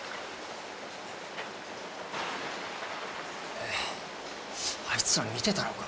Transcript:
えあいつら見てたのか。